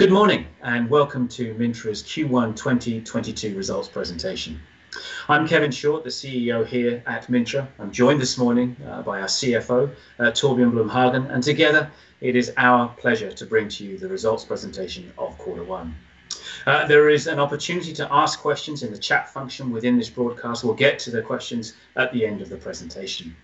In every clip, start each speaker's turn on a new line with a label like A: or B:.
A: Good morning, and welcome to Mintra's Q1 2022 results presentation. I'm Kevin Short, the CEO here at Mintra. I'm joined this morning by our CFO, Torbjørn Blom-Hagen, and together it is our pleasure to bring to you the results presentation of quarter one. There is an opportunity to ask questions in the chat function within this broadcast. We'll get to the questions at the end of the presentation.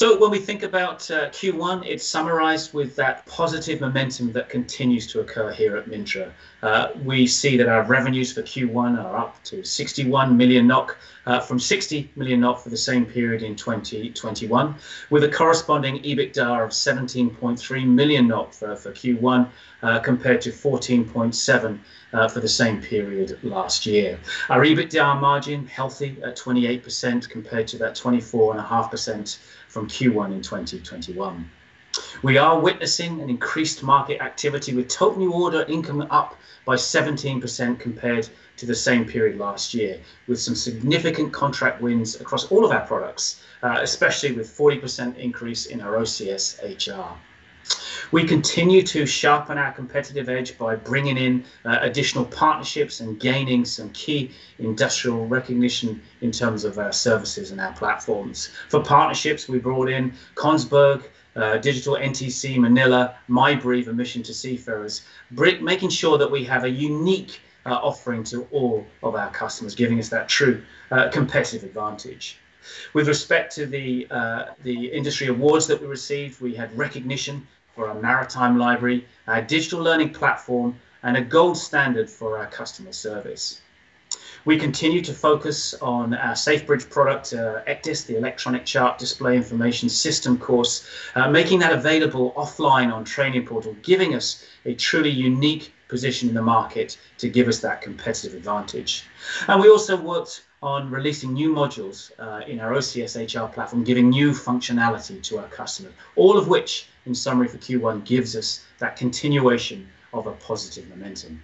A: When we think about Q1, it's summarized with that positive momentum that continues to occur here at Mintra. We see that our revenues for Q1 are up to 61 million NOK from 60 million NOK for the same period in 2021, with a corresponding EBITDA of 17.3 million NOK for Q1 compared to 14.7 million for the same period last year. Our EBITDA margin healthy at 28% compared to that 24.5% from Q1 in 2021. We are witnessing an increased market activity with total new order income up by 17% compared to the same period last year, with some significant contract wins across all of our products, especially with 40% increase in our OCS HR. We continue to sharpen our competitive edge by bringing in additional partnerships and gaining some key industrial recognition in terms of our services and our platforms. For partnerships, we brought in Kongsberg Digital, NTC Manila, mybreev, and Mission to Seafarers, making sure that we have a unique offering to all of our customers, giving us that true competitive advantage. With respect to the industry awards that we received, we had recognition for our maritime library, our digital learning platform, and a gold standard for our customer service. We continue to focus on our Safebridge product, ECDIS, the Electronic Chart Display Information System course, making that available offline on Trainingportal, giving us a truly unique position in the market to give us that competitive advantage. We also worked on releasing new modules in our OCS HR platform, giving new functionality to our customer, all of which, in summary for Q1, gives us that continuation of a positive momentum.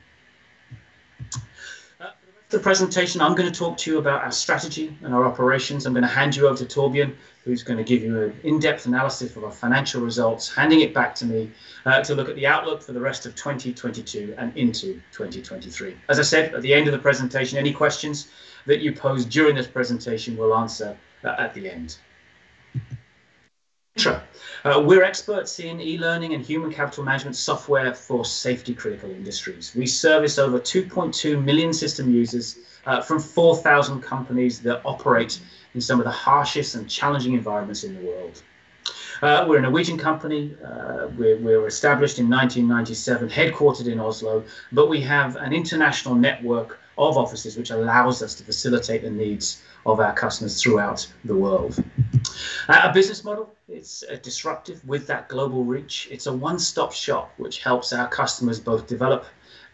A: The rest of the presentation I'm gonna talk to you about our strategy and our operations. I'm gonna hand you over to Torbjørn, who's gonna give you an in-depth analysis of our financial results, handing it back to me, to look at the outlook for the rest of 2022 and into 2023. As I said, at the end of the presentation, any questions that you pose during this presentation, we'll answer at the end. Mintra. We're experts in e-learning and Human Capital Management software for safety critical industries. We service over 2.2 million system users, from 4,000 companies that operate in some of the harshest and challenging environments in the world. We're a Norwegian company. We were established in 1997, headquartered in Oslo, but we have an international network of offices which allows us to facilitate the needs of our customers throughout the world. Our business model is disruptive with that global reach. It's a one-stop shop, which helps our customers both develop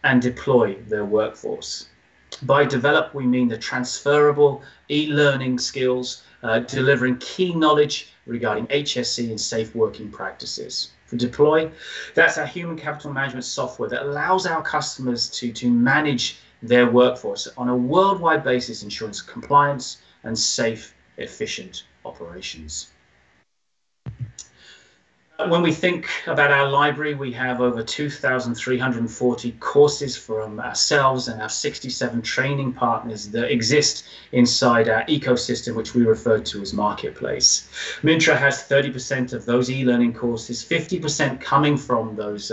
A: and deploy their workforce. By develop, we mean the transferable e-learning skills, delivering key knowledge regarding HSE and safe working practices. For deploy, that's our Human Capital Management software that allows our customers to manage their workforce on a worldwide basis, ensuring compliance and safe, efficient operations. When we think about our library, we have over 2,340 courses from ourselves and our 67 training partners that exist inside our ecosystem, which we refer to as Marketplace. Mintra has 30% of those e-learning courses, 50% coming from those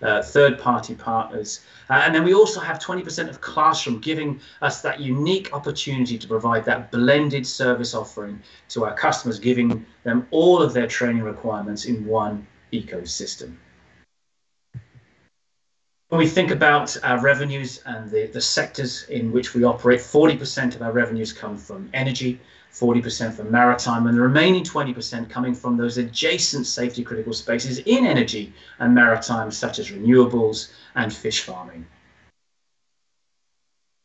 A: third party partners. We also have 20% of classroom, giving us that unique opportunity to provide that blended service offering to our customers, giving them all of their training requirements in one ecosystem. When we think about our revenues and the sectors in which we operate, 40% of our revenues come from energy, 40% from maritime, and the remaining 20% coming from those adjacent safety critical spaces in energy and maritime, such as renewables and fish farming.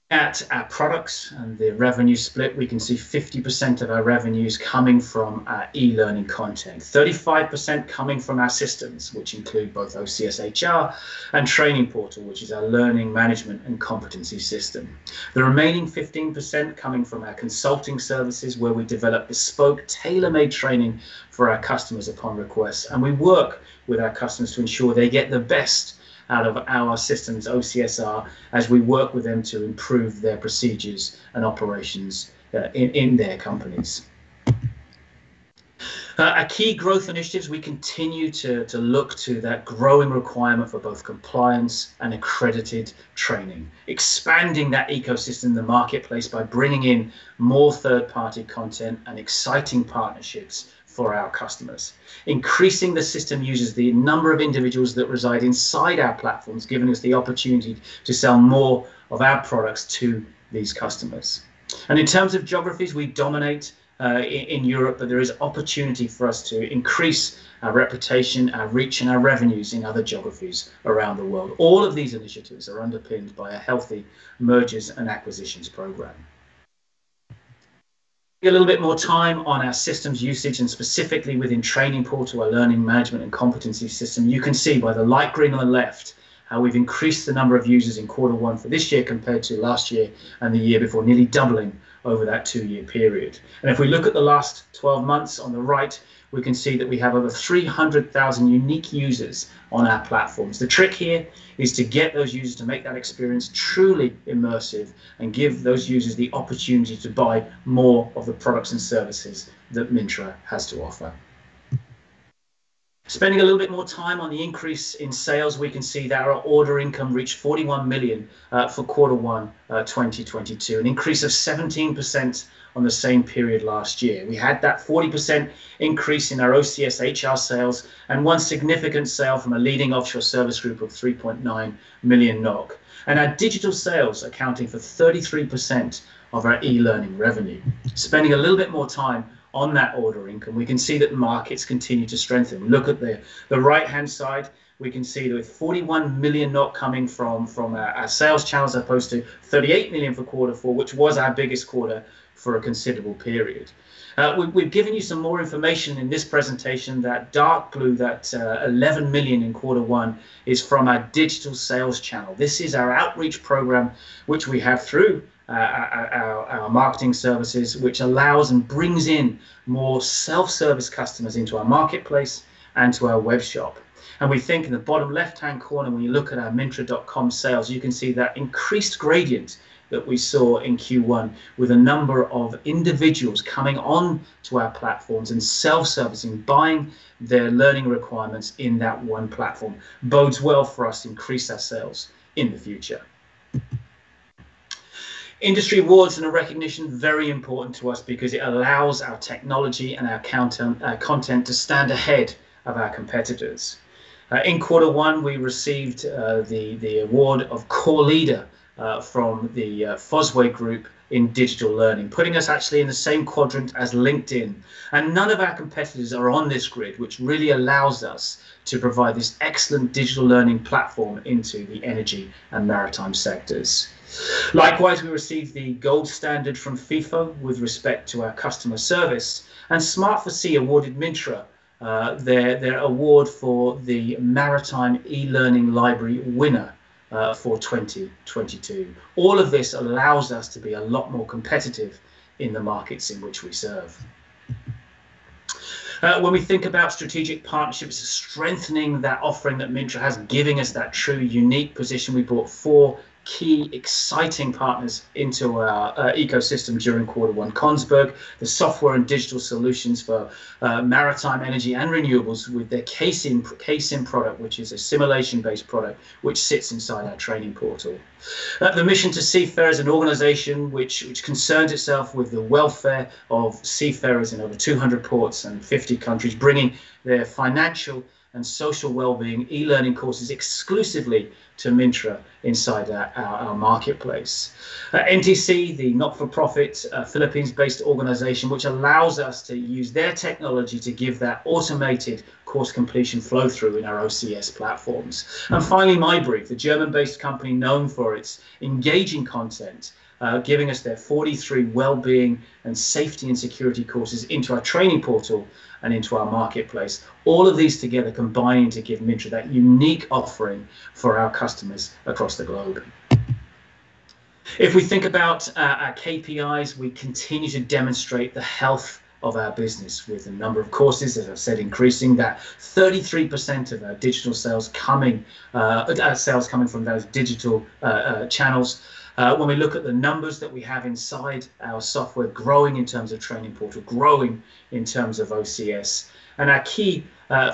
A: At our products and the revenue split, we can see 50% of our revenues coming from our e-learning content, 35% coming from our systems, which include both OCS HR and Trainingportal, which is our Learning Management and Competency System. The remaining 15% coming from our consulting services, where we develop bespoke, tailor-made training for our customers upon request, and we work with our customers to ensure they get the best out of our systems, OCS HR, as we work with them to improve their procedures and operations, in their companies. Our key growth initiatives, we continue to look to that growing requirement for both compliance and accredited training, expanding that ecosystem in the Marketplace by bringing in more third party content and exciting partnerships for our customers. Increasing the system users, the number of individuals that reside inside our platforms, giving us the opportunity to sell more of our products to these customers. In terms of geographies, we dominate in Europe, but there is opportunity for us to increase our reputation, our reach, and our revenues in other geographies around the world. All of these initiatives are underpinned by a healthy mergers and acquisitions program. A little bit more time on our systems usage, and specifically within Trainingportal, our Learning Management and Competency System. You can see by the light green on the left how we've increased the number of users in quarter one for this year compared to last year and the year before, nearly doubling over that two-year period. If we look at the last 12 months on the right, we can see that we have over 300,000 unique users on our platforms. The trick here is to get those users to make that experience truly immersive and give those users the opportunity to buy more of the products and services that Mintra has to offer. Spending a little bit more time on the increase in sales, we can see that our order income reached 41 million for quarter one 2022, an increase of 17% on the same period last year. We had that 40% increase in our OCS HR sales and one significant sale from a leading offshore service group of 3.9 million NOK. Our digital sales accounting for 33% of our e-learning revenue. Spending a little bit more time on that order income, we can see that markets continue to strengthen. Look at the right-hand side, we can see the 41 million coming from our sales channels as opposed to 38 million for quarter four, which was our biggest quarter for a considerable period. We've given you some more information in this presentation. That dark blue, that 11 million in quarter one is from our digital sales channel. This is our outreach program which we have through our marketing services, which allows and brings in more self-service customers into our Marketplace and to our webshop. We think in the bottom left-hand corner, when you look at our mintra.com sales, you can see that increased gradient that we saw in Q1 with a number of individuals coming on to our platforms and self-servicing, buying their learning requirements in that one platform. Bodes well for us to increase our sales in the future. Industry awards and recognition, very important to us because it allows our technology and our content to stand ahead of our competitors. In quarter one, we received the award of Core Leader from the Fosway Group in digital learning, putting us actually in the same quadrant as LinkedIn. None of our competitors are on this grid, which really allows us to provide this excellent digital learning platform into the energy and maritime sectors. Likewise, we received the gold standard from Feefo with respect to our customer service, and SMART4SEA awarded Mintra their award for the maritime e-learning library winner for 2022. All of this allows us to be a lot more competitive in the markets in which we serve. When we think about strategic partnerships, strengthening that offering that Mintra has, giving us that true unique position, we brought four key exciting partners into our ecosystem during quarter one. Kongsberg Digital, the software and digital solutions for maritime energy and renewables with their K-Sim product, which is a simulation-based product which sits inside our Trainingportal. The Mission to Seafarers, an organization which concerns itself with the welfare of seafarers in over 200 ports and 50 countries, bringing their financial and social well-being e-learning courses exclusively to Mintra inside our Marketplace. NTC, the not-for-profit, Philippines-based organization which allows us to use their technology to give that automated course completion flow through in our OCS platforms. Finally, mybreev, the German-based company known for its engaging content, giving us their 43 well-being and safety and security courses into our Trainingportal and into our Marketplace. All of these together combining to give Mintra that unique offering for our customers across the globe. If we think about our KPIs, we continue to demonstrate the health of our business with the number of courses, as I've said, increasing. That 33% of our sales coming from those digital channels. When we look at the numbers that we have inside our software growing in terms of Trainingportal, growing in terms of OCS and our key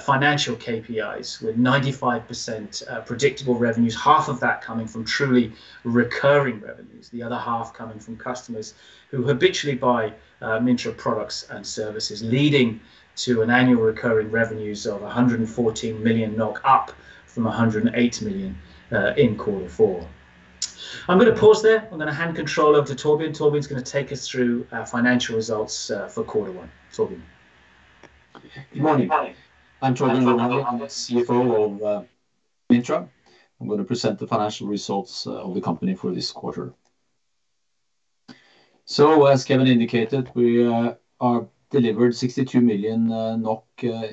A: financial KPIs with 95% predictable revenues, half of that coming from truly recurring revenues, the other half coming from customers who habitually buy Mintra products and services, leading to annual recurring revenues of 114 million NOK, up from 108 million in quarter four. I'm gonna pause there. I'm gonna hand control over to Torbjørn. Torbjørn's gonna take us through our financial results for quarter one. Torbjørn.
B: Good morning. I'm Torbjørn Blom-Hagen. I'm the CFO of Mintra. I'm gonna present the financial results of the company for this quarter. As Kevin indicated, we are delivered 62 million NOK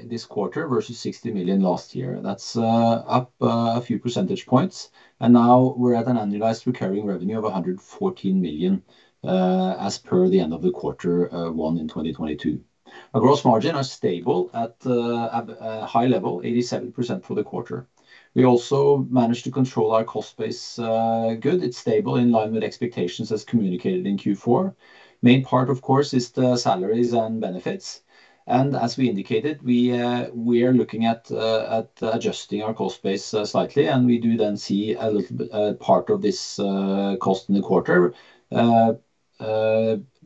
B: this quarter versus 60 million last year. That's up a few percentage points. Now we're at an annualized recurring revenue of 114 million as per the end of the quarter one in 2022. Our gross margin are stable at a high level, 87% for the quarter. We also managed to control our cost base good. It's stable, in line with expectations as communicated in Q4. Main part, of course, is the salaries and benefits. As we indicated, we are looking at adjusting our cost base slightly, and we do then see a little bit part of this cost in the quarter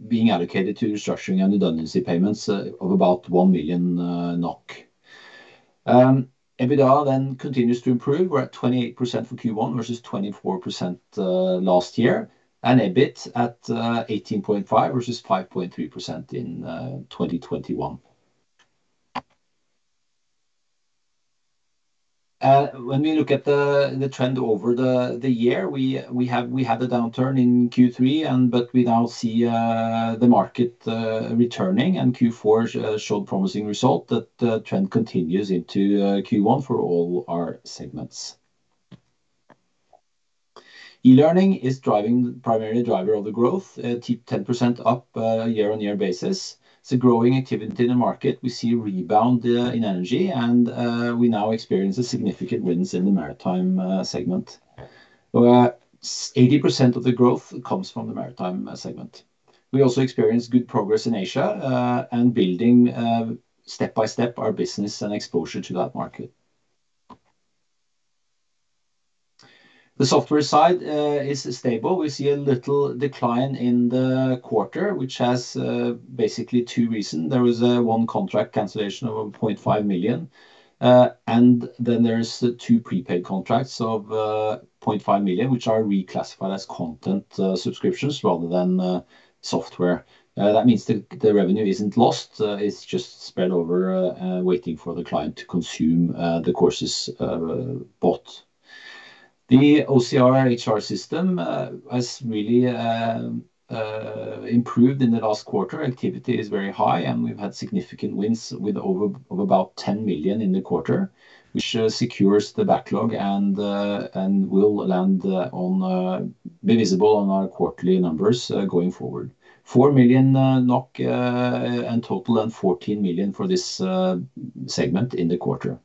B: being allocated to restructuring and redundancy payments of about 1 million NOK. EBITDA then continues to improve. We're at 28% for Q1 versus 24% last year, and EBIT at 18.5% versus 5.3% in 2021. When we look at the trend over the year, we had a downturn in Q3, but we now see the market returning, and Q4 showed promising result that the trend continues into Q1 for all our segments. E-learning is primarily driver of the growth, 10% up year-on-year basis. It's a growing activity in the market. We see a rebound in energy and we now experience significant wins in the maritime segment. 80% of the growth comes from the maritime segment. We also experience good progress in Asia and building step-by-step our business and exposure to that market. The software side is stable. We see a little decline in the quarter, which has basically two reasons. There was one contract cancellation of 0.5 million, and then there's the two prepaid contracts of 0.5 million, which are reclassified as content subscriptions rather than software. That means the revenue isn't lost, it's just spread over waiting for the client to consume the courses bought. The OCS HR system has really improved in the last quarter. Activity is very high, and we've had significant wins of about 10 million in the quarter, which secures the backlog and will be visible on our quarterly numbers going forward. 4 million NOK in total and 14 million for this segment in the quarter.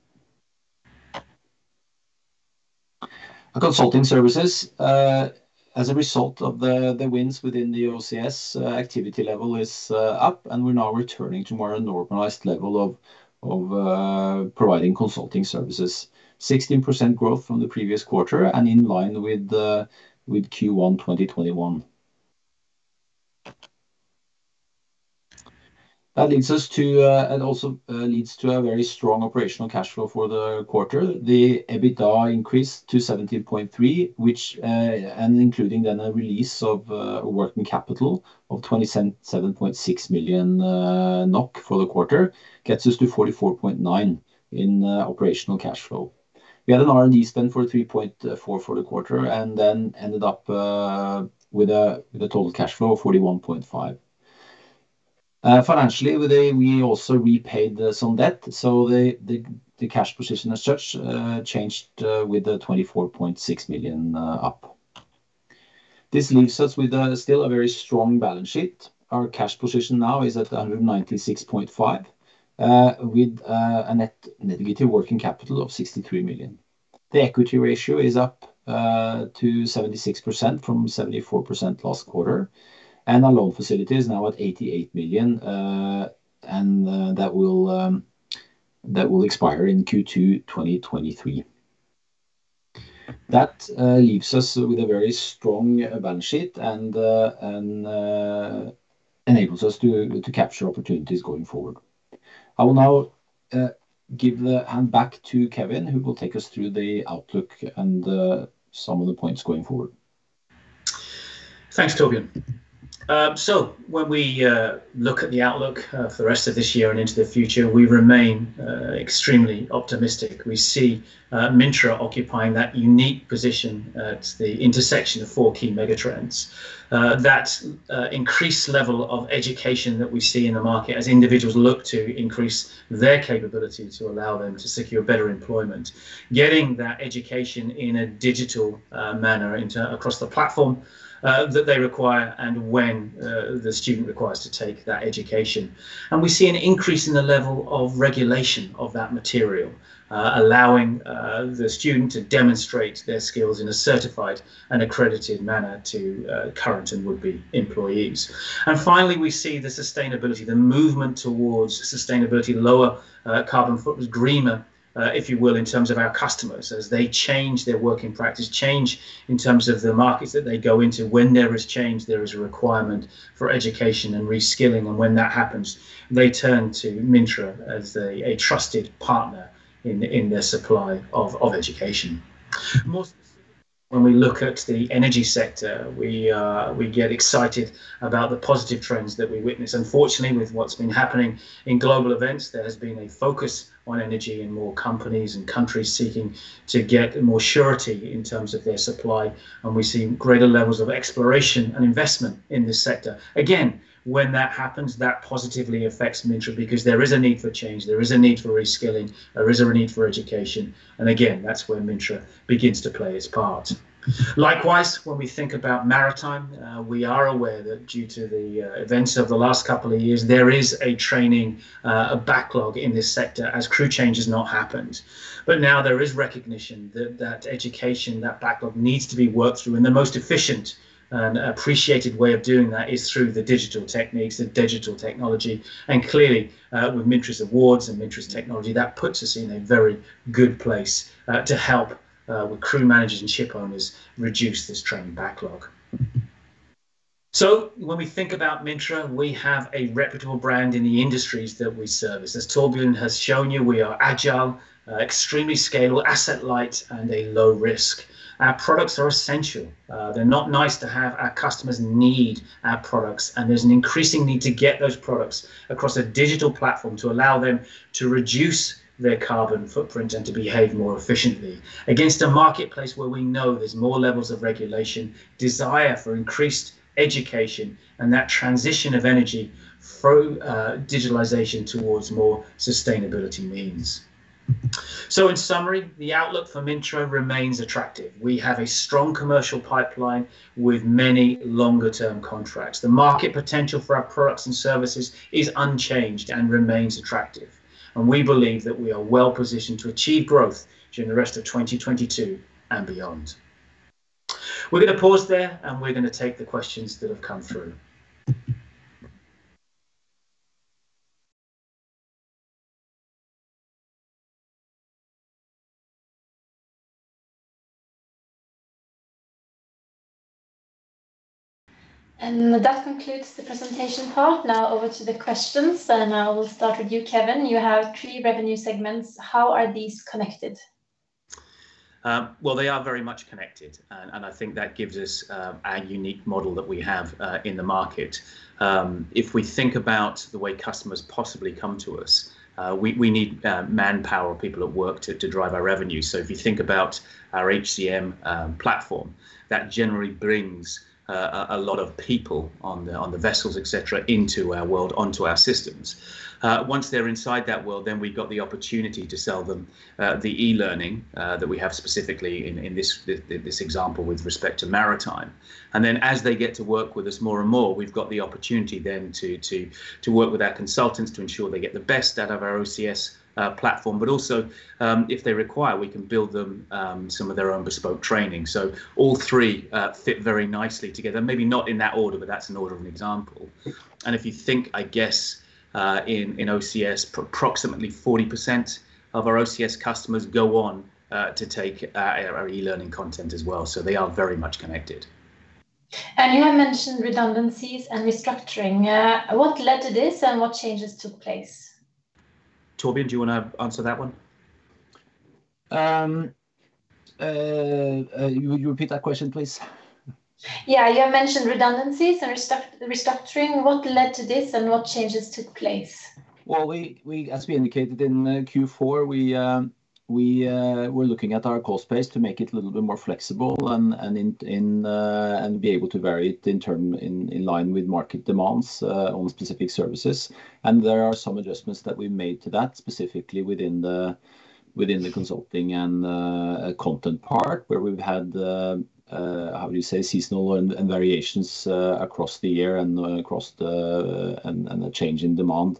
B: Our consulting services as a result of the wins within the OCS activity level is up and we're now returning to more of a normalized level of providing consulting services. 16% growth from the previous quarter and in line with Q1 2021. That leads to a very strong operational cash flow for the quarter. EBITDA increased to 17.3 million, which and including then a release of working capital of 27.6 million NOK for the quarter, gets us to 44.9 million in operational cash flow. We had an R&D spend for 3.4 million for the quarter and then ended up with a total cash flow of 41.5 million. Financially, we also repaid some debt, so the cash position as such changed with the 24.6 million up. This leaves us with still a very strong balance sheet. Our cash position now is at 196.5 million with a net negative working capital of 63 million. The equity ratio is up to 76% from 74% last quarter. Our loan facility is now at 88 million, and that will expire in Q2 2023. That leaves us with a very strong balance sheet and enables us to capture opportunities going forward. I will now give the hand back to Kevin, who will take us through the outlook and some of the points going forward.
A: Thanks, Torbjørn. So when we look at the outlook for the rest of this year and into the future, we remain extremely optimistic. We see Mintra occupying that unique position at the intersection of four key mega-trends. That increased level of education that we see in the market as individuals look to increase their capability to allow them to secure better employment. Getting that education in a digital manner across the platform that they require and when the student requires to take that education. We see an increase in the level of regulation of that material allowing the student to demonstrate their skills in a certified and accredited manner to current and would-be employees. Finally, we see the sustainability, the movement towards sustainability, lower carbon footprint, greener, if you will, in terms of our customers, as they change their working practice in terms of the markets that they go into. When there is change, there is a requirement for education and reskilling, and when that happens, they turn to Mintra as a trusted partner in the supply of education. More specifically, when we look at the energy sector, we get excited about the positive trends that we witness. Unfortunately, with what's been happening in global events, there has been a focus on energy and more companies and countries seeking to get more surety in terms of their supply, and we're seeing greater levels of exploration and investment in this sector. Again, when that happens, that positively affects Mintra because there is a need for change, there is a need for reskilling, there is a need for education, and again, that's where Mintra begins to play its part. Likewise, when we think about maritime, we are aware that due to the events of the last couple of years, there is a training backlog in this sector as crew change has not happened. Now there is recognition that that education, that backlog needs to be worked through, and the most efficient and appreciated way of doing that is through the digital techniques, the digital technology. Clearly, with Mintra's awards and Mintra's technology, that puts us in a very good place to help with crew managers and ship owners reduce this training backlog. When we think about Mintra, we have a reputable brand in the industries that we service. As Torbjørn has shown you, we are agile, extremely scalable, asset light, and a low risk. Our products are essential. They're not nice to have. Our customers need our products, and there's an increasing need to get those products across a digital platform to allow them to reduce their carbon footprint and to behave more efficiently against a marketplace where we know there's more levels of regulation, desire for increased education, and that transition of energy through, digitalization towards more sustainability means. In summary, the outlook for Mintra remains attractive. We have a strong commercial pipeline with many longer term contracts. The market potential for our products and services is unchanged and remains attractive, and we believe that we are well-positioned to achieve growth during the rest of 2022 and beyond. We're gonna pause there, and we're gonna take the questions that have come through.
C: That concludes the presentation part. Now over to the questions, and I will start with you, Kevin. You have three revenue segments. How are these connected?
A: Well, they are very much connected and I think that gives us our unique model that we have in the market. If we think about the way customers possibly come to us, we need manpower, people at work to drive our revenue. If you think about our HCM platform, that generally brings a lot of people on the vessels, et cetera, into our world, onto our systems. Once they're inside that world, we've got the opportunity to sell them the e-learning that we have specifically in this example with respect to maritime. As they get to work with us more and more, we've got the opportunity then to work with our consultants to ensure they get the best out of our OCS platform. Also, if they require, we can build them some of their own bespoke training. All three fit very nicely together. Maybe not in that order, but that's an order of an example. If you think, I guess, in OCS, approximately 40% of our OCS customers go on to take our e-learning content as well, so they are very much connected.
C: You have mentioned redundancies and restructuring. What led to this, and what changes took place?
A: Torbjørn, do you wanna answer that one?
B: You repeat that question, please?
C: Yeah. You have mentioned redundancies and restructuring. What led to this, and what changes took place?
B: Well, as we indicated in Q4, we're looking at our cost base to make it a little bit more flexible and be able to vary it in line with market demands on specific services. There are some adjustments that we made to that, specifically within the consulting and content part, where we've had seasonal and variations across the year and a change in demand.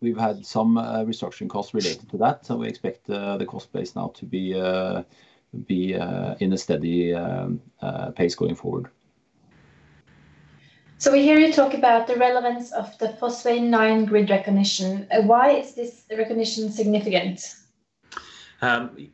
B: We've had some restructuring costs related to that, so we expect the cost base now to be in a steady pace going forward.
C: We hear you talk about the relevance of the Fosway 9-Grid Recognition. Why is this recognition significant?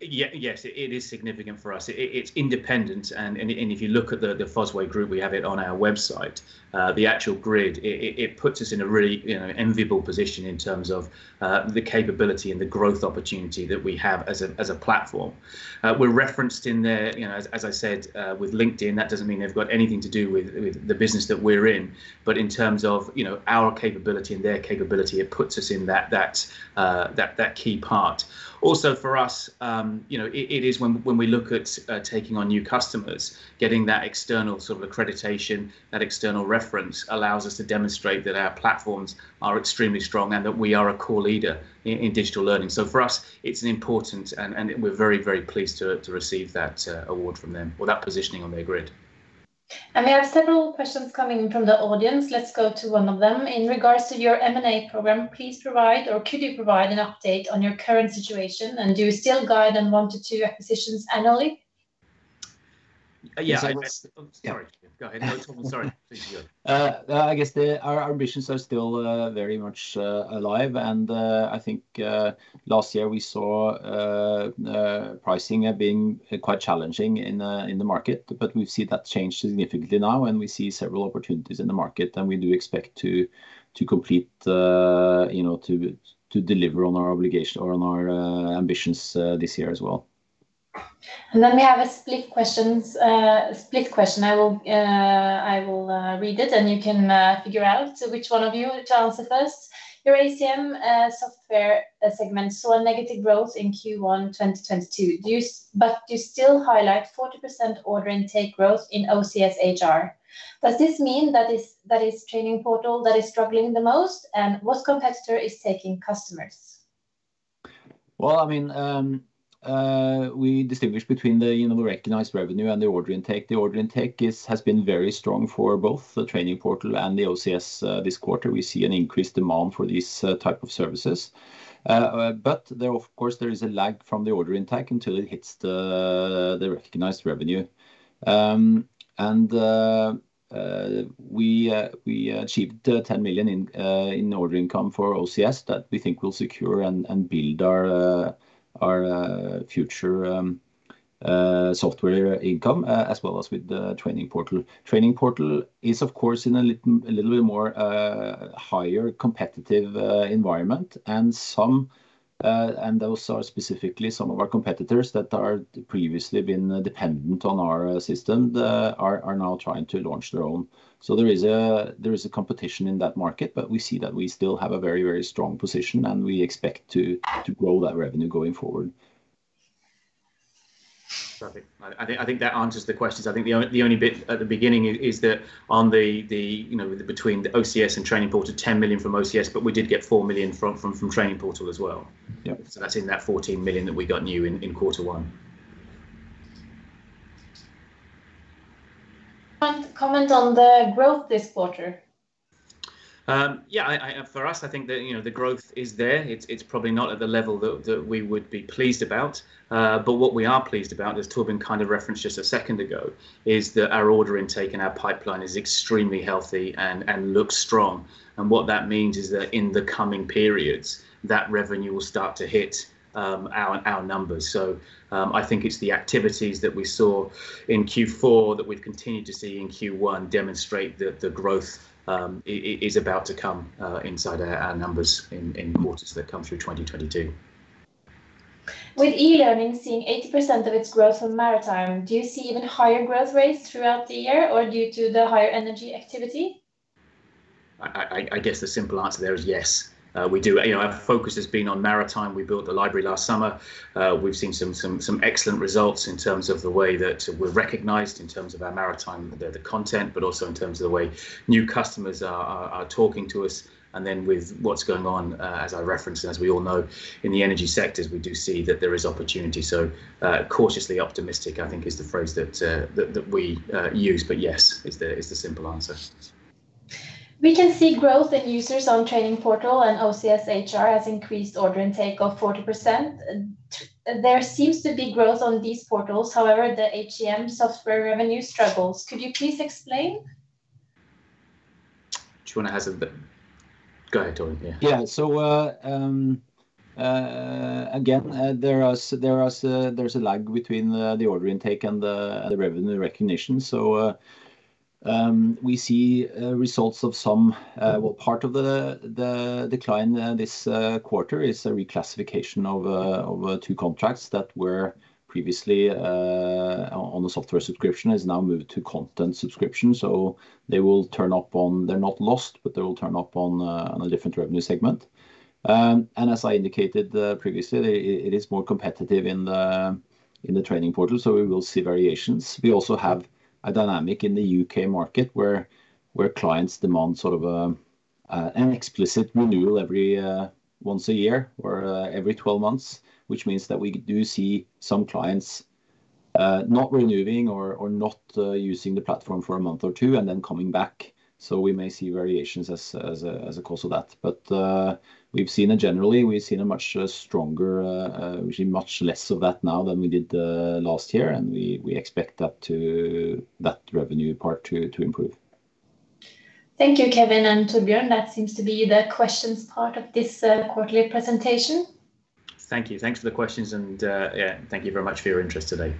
A: Yes, it is significant for us. It's independent and if you look at the Fosway Group, we have it on our website. The actual grid puts us in a really, you know, enviable position in terms of the capability and the growth opportunity that we have as a platform. We're referenced in there, you know, as I said with LinkedIn. That doesn't mean they've got anything to do with the business that we're in. In terms of, you know, our capability and their capability, it puts us in that key part. Also for us, you know, it is when we look at taking on new customers, getting that external sort of accreditation, that external reference allows us to demonstrate that our platforms are extremely strong and that we are a core leader in digital learning. For us, it's an important and we're very pleased to receive that award from them or that positioning on their grid.
C: We have several questions coming from the audience. Let's go to one of them. In regards to your M&A program, please provide or could you provide an update on your current situation? Do you still guide on one to two acquisitions annually?
A: Yeah, I guess. Sorry. Go ahead. No, Torbjørn, sorry. Please go.
B: I guess our ambitions are still very much alive. I think last year we saw pricing being quite challenging in the market. We see that change significantly now, and we see several opportunities in the market, and we do expect to deliver on our obligation or on our ambitions this year as well.
C: Then we have a split question. I will read it, and you can figure out which one of you to answer first. Your HCM software segment saw a negative growth in Q1 2022. But you still highlight 40% order intake growth in OCS HR. Does this mean that is Trainingportal that is struggling the most? What competitor is taking customers?
B: Well, I mean, we distinguish between the, you know, the recognized revenue and the order intake. The order intake is, has been very strong for both the Trainingportal and the OCS this quarter. We see an increased demand for these type of services. There of course is a lag from the order intake until it hits the recognized revenue. We achieved 10 million in order intake for OCS that we think will secure and build our future software income, as well as with the Trainingportal. Trainingportal is of course in a little bit more higher competitive environment. Those are specifically some of our competitors that are previously been dependent on our system are now trying to launch their own. There is a competition in that market, but we see that we still have a very, very strong position, and we expect to grow that revenue going forward.
A: Perfect. I think that answers the questions. I think the only bit at the beginning is that, you know, between the OCS and Trainingportal, 10 million from OCS, but we did get 4 million from Trainingportal as well.
B: Yep.
A: That's in that 14 million that we got new in quarter one.
C: Comment on the growth this quarter.
A: For us, I think you know, the growth is there. It's probably not at the level that we would be pleased about. But what we are pleased about, as Torbjørn kind of referenced just a second ago, is that our order intake and our pipeline is extremely healthy and looks strong. What that means is that in the coming periods, that revenue will start to hit our numbers. I think it's the activities that we saw in Q4 that we've continued to see in Q1 demonstrate the growth is about to come inside our numbers in quarters that come through 2022.
C: With e-learning seeing 80% of its growth from maritime, do you see even higher growth rates throughout the year or due to the higher energy activity?
A: I guess the simple answer there is yes. We do. You know, our focus has been on maritime. We built the library last summer. We've seen some excellent results in terms of the way that we're recognized in terms of our maritime, the content, but also in terms of the way new customers are talking to us. With what's going on, as I referenced, and as we all know, in the energy sectors, we do see that there is opportunity. Cautiously optimistic, I think, is the phrase that we use. Yes is the simple answer.
C: We can see growth in users on Trainingportal and OCS HR has increased order intake of 40%. There seems to be growth on these portals. However, the HCM software revenue struggles. Could you please explain?
A: Do you wanna answer? Go ahead, Torbjørn.
B: Yeah. Again, there is a lag between the order intake and the revenue recognition. We see results of some well, part of the decline this quarter is a reclassification of two contracts that were previously on the software subscription now moved to content subscription. They will turn up. They're not lost, but they will turn up on a different revenue segment. As I indicated previously, it is more competitive in the Trainingportal, so we will see variations. We also have a dynamic in the U.K. market where clients demand sort of an explicit renewal every once a year or every 12 months, which means that we do see some clients not renewing or not using the platform for a month or two and then coming back. We may see variations as a cause of that. Generally, we've seen much less of that now than we did last year, and we expect that revenue part to improve.
C: Thank you, Kevin and Torbjørn. That seems to be the questions part of this, quarterly presentation.
A: Thank you. Thanks for the questions and, yeah, thank you very much for your interest today.